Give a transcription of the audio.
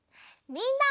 みんな！